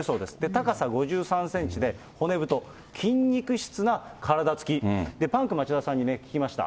高さ５３センチで、骨太、筋肉質な体つき、パンク町田さんに聞きました。